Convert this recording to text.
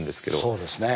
そうですね。